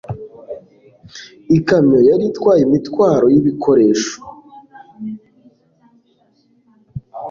Ikamyo yari itwaye imitwaro y'ibikoresho.